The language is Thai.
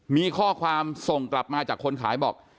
มีข้อความส่งกลับมาจากคนขายบอก